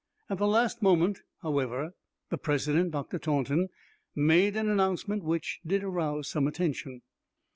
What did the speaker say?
At the last moment, however, the President, Dr. Taunton, made an announcement which did arouse some attention.